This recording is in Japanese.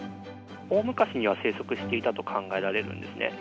大昔には生息していたと考えられるんですね。